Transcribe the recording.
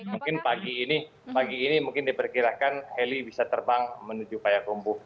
mungkin pagi ini pagi ini mungkin diperkirakan heli bisa terbang menuju payakumbu